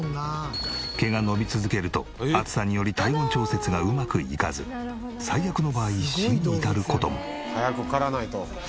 毛が伸び続けると暑さにより体温調節がうまくいかず最悪の場合死に至る事も。